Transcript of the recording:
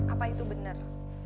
apa itu bener